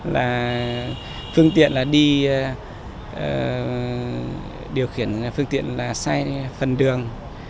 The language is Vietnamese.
là phương tiện đi điều khiển phương tiện xay phần đường